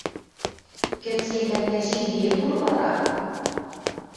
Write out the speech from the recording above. Кӹцкен лӓктӓш имниэт улы вара?